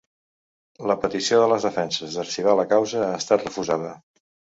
La petició de les defenses d’arxivar la causa ha estat refusada.